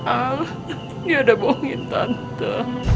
al dia udah bohongin tante